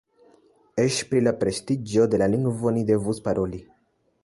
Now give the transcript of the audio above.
Eĉ pri la prestiĝo de la lingvo ni devus paroli.